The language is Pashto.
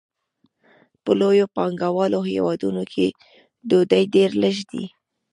په لویو پانګوالو هېوادونو کې دوی ډېر لږ دي